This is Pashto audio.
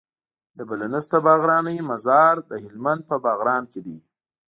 د بله نسته باغرانی مزار د هلمند په باغران کي دی